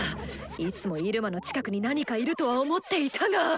いつもイルマの近くに何かいるとは思っていたが。